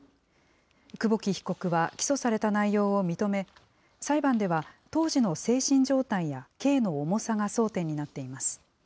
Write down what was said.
久保木被告は起訴された内容を認め、裁判では、当時の精神状態や刑の重さが争点になっています。